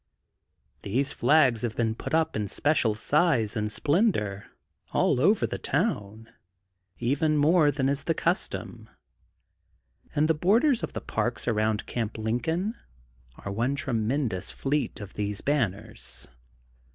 Those flags have been put up in special size and splendor, all over the town, even more than is the custom. And the borders of the parks around Camp Lincoln are one tremendous fleet of these banners.